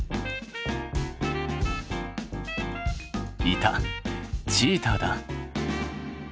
いたチーターだ！